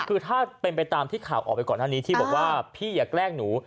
คือถ้าเป็นไปตามที่ข่าวออกไปก่อนหน้านี้ที่บอกว่าพี่อย่าแกล้งหนู